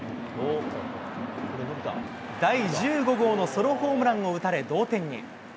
第１５号のソロホームランを打たれ、同点に。